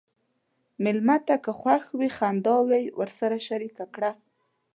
مېلمه ته که خوښ وي، خنداوې ورسره شریکه کړه.